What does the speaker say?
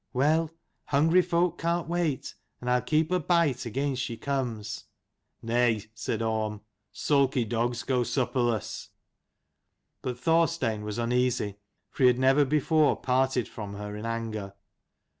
Well, hungry folk can't wait, and I'll keep a bite against she comes." " Nay," said Orm, " sulky dogs go supper less." But Thorstein was uneasy, for he had never before parted from her in anger.